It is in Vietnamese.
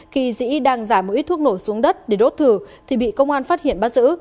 khi dĩ đang giả một ít thuốc nổ xuống đất để đốt thử thì bị công an phát hiện bắt giữ